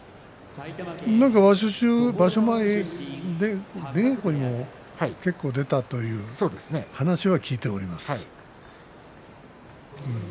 前出稽古にも結構出たという話は聞いてはおります。